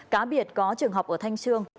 cá biệt có trường học ở thanh trương